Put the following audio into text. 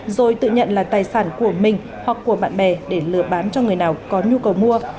rồi tự nhận là tài sản của mình hoặc của bạn bè để lừa bán cho người nào có nhu cầu mua